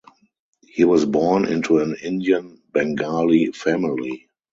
He was born into an Indian Bengali family.